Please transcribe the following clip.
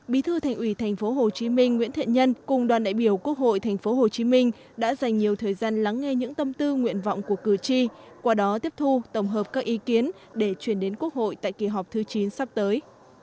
bí thư thành ủy tp hcm nguyễn thiện nhân cùng đoàn đại biểu quốc hội tp hcm đã dành nhiều thời gian lắng nghe những tâm tư nguyện vọng của cử tri qua đó tiếp thu tổng hợp các ý kiến để truyền đến quốc hội tại kỳ họp thứ chín sắp tới